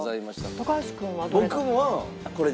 高橋君はどれが？